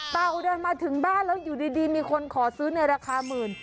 อุเดินมาถึงบ้านแล้วอยู่ดีมีคนขอซื้อในราคาหมื่น